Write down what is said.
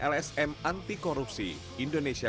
lsm anti korupsi indonesia